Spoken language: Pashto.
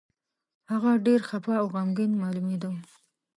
هغه ډېر خپه او غمګين مالومېده.